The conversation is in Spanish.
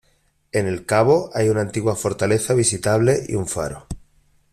En el cabo hay una antigua fortaleza visitable y un faro.